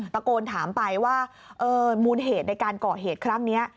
ตะโกนถามไปว่ามูลเหตุในการก่อเหตุครั้งนี้